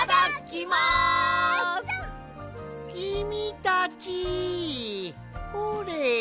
きみたちほれ！